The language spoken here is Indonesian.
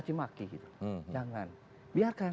dicacimaki gitu jangan biarkan